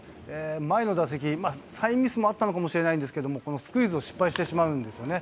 前の打席、サインミスもあったかもしれないんですけれども、このスクイズを失敗してしまうんですよね。